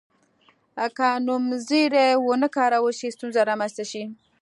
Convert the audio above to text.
که نومځري ونه کارول شي ستونزه رامنځته شي.